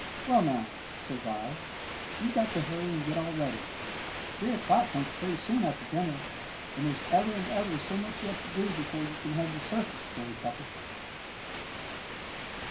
Well, now, says I, you've got to hurry to get all ready. Three o'clock comes pretty soon after dinner, and there's ever and ever so much yet to do before you can have your circus, Joey Pepper."